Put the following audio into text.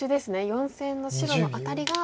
４線の白のアタリが。